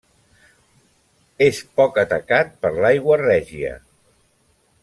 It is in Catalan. És poc atacat per l'aigua règia.